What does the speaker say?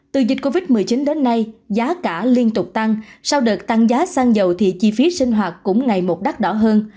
từ dịch covid một mươi chín đến nay giá cả liên tục tăng sau đợt tăng giá xăng dầu thì chi phí sinh hoạt cũng ngày một đắt đỏ hơn